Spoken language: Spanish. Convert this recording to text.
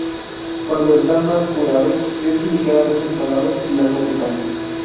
Cuando está más curado, es ligeramente salado y algo picante.